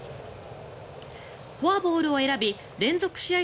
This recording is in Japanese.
フォアボールを選び連続試合